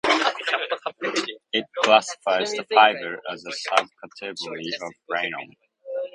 It classifies the fibre as a sub-category of rayon.